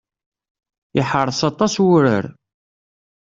Iḥreṣ aṭas wurar.